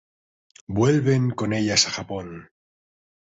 Vuelven con ellas a Japón.